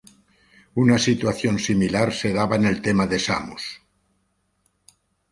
Una situación similar se daba en el tema de Samos.